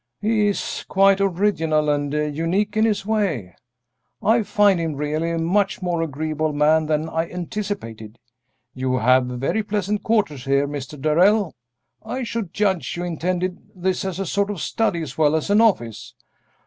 "He is quite original and unique in his way. I find him really a much more agreeable man than I anticipated. You have very pleasant quarters here, Mr. Darrell. I should judge you intended this as a sort of study as well as an office."